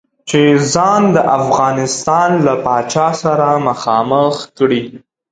چې ځان د افغانستان له پاچا سره مخامخ کړي.